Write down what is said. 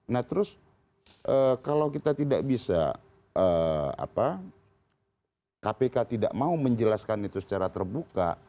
nah terus kalau kita tidak bisa kpk tidak mau menjelaskan itu secara terbuka